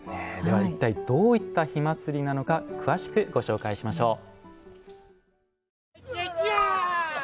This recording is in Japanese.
一体どういった火祭りなのか詳しくご紹介しましょう。